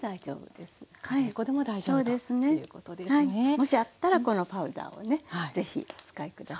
もしあったらこのパウダーをね是非お使い下さい。